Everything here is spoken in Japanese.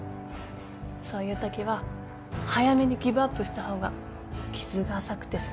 そういうときは早めにギブアップした方が傷が浅くて済む。